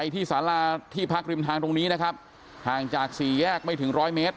ที่สาราที่พักริมทางตรงนี้นะครับห่างจากสี่แยกไม่ถึงร้อยเมตร